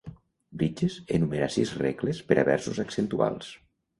Bridges enumera sis "regles" per a versos accentuals.